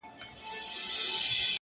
د چای پیاله کله کله د خبرو ځای نیسي!.